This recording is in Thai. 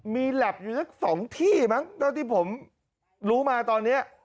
มีหลับอยู่จากสองที่มั้งโดยที่ผมรู้มาตอนนี้